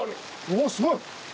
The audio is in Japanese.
おすごい。